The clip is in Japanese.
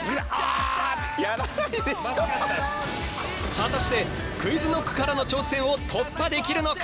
果たしてＱｕｉｚＫｎｏｃｋからの挑戦を突破できるのか！？